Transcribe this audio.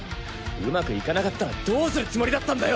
うまくいかなかったらどうするつもりだったんだよ！？